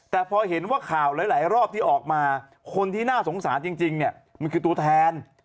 แต่พอเห็นว่าข่าวหลายรอบที่ออกมาคนที่น่าสงสารจริงเนี่ยมันคือตัวแทน